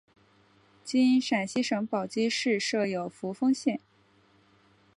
今陕西省宝鸡市设有扶风县。